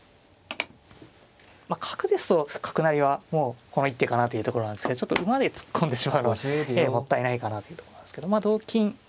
角ですと角成りはもうこの一手かなというところなんですけど馬で突っ込んでしまうのはもったいないかなというとこなんですけど同金同飛車